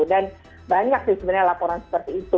dan banyak sih sebenarnya laporan seperti itu